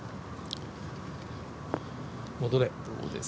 戻れ！